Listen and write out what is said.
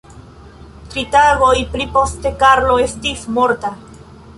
Tri tagojn pli poste Karlo estis morta.